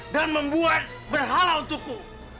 dan membuat berhala untukku